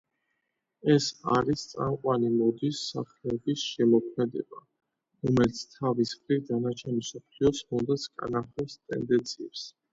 ეს არის წამყვანი მოდის სახლების შემოქმედება, რომელიც თავის მხრივ, დანარჩენი მსოფლიოს მოდას კარნახობს ტენდენციებს.